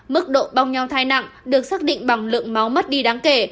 mức độ bong nhau thai nặng được xác định bằng lượng máu mất đi đáng kể